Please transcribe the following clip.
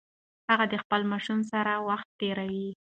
هغه د خپل ماشوم سره وخت تیروي.